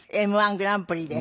Ｍ−１グランプリで。